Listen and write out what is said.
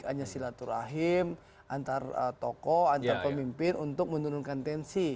hanya silaturahim antar tokoh antar pemimpin untuk menurunkan tensi